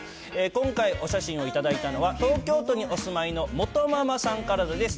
今回、お写真を頂いたのは、東京都にお住いのもとママさんからです。